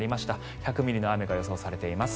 １００ミリの雨が予想されています。